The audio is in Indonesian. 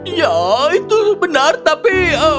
ya itu benar tapi